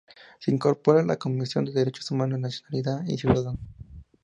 Se incorpora a la Comisión de Derechos Humanos, Nacionalidad y Ciudadanía.